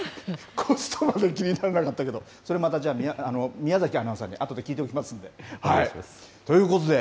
なるほど、コストまで気にならなかったけど、それまた、宮崎アナウンサーにあとで聞いておきますんで。